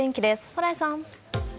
蓬莱さん。